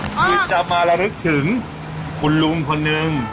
คือจะมาระลึกถึงคุณลุงคนนึง